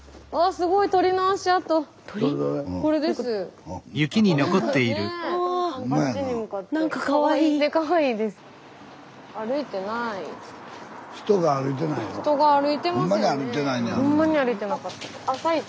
スタジオほんまに歩いてなかった。